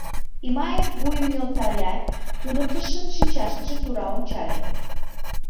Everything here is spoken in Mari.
Имаев вуйым нӧлталят, туныктышын шинчашкыже тура ончале.